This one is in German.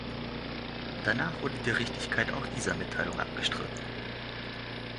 Danach wurde die Richtigkeit auch dieser Mitteilung abgestritten.